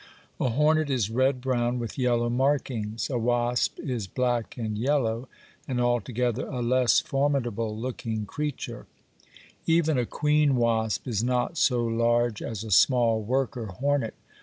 A hornet is red brown with yellow markings (pl. B, 13), a wasp is black and yellow, and altogether a less formidable looking creature (pl. B, 14). Even a queen wasp is not so large as a small worker hornet.